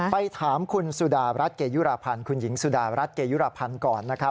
ไปถามคุณสุดารัฐเกยุราพันธ์คุณหญิงสุดารัฐเกยุรพันธ์ก่อนนะครับ